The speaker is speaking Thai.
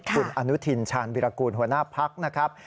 คุณอนุทินชาญวิรากูลหัวหน้าพักนะครับ